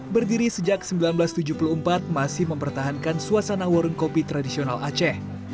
berdiri sejak seribu sembilan ratus tujuh puluh empat masih mempertahankan suasana warung kopi tradisional aceh